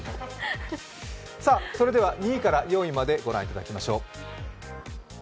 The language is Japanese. それでは２位から４位までご覧いただきましょう。